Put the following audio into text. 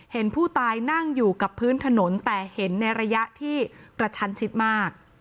เห็นผู้ตายนั่งอยู่กับพื้นถนนแต่เห็นในระยะที่กระชันชิดมาก